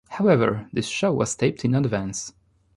However, this show was taped in advance.